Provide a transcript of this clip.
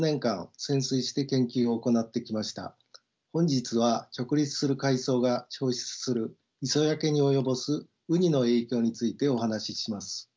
本日は直立する海藻が消失する磯焼けに及ぼすウニの影響についてお話しします。